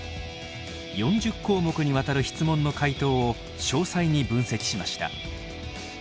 ４０項目にわたる質問の回答を詳細に分析しました。